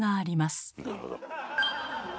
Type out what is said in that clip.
なるほど。